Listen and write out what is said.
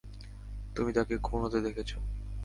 তুমি তাকে খুন হতে দেখেছ।